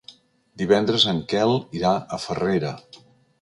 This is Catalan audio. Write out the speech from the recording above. Divendres en Quel irà a Farrera.